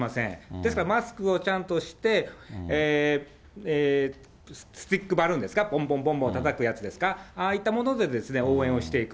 ですからマスクをちゃんとして、スティックバルーンですか、ぼんぼんぼんぼんたたくやつですか、ああいったもので応援をしていく。